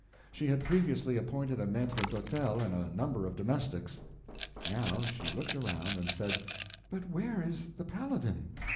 She had previously appointed a maitre d'hotel and a number of domestics. Now she looked around and said: "But where is the Paladin?"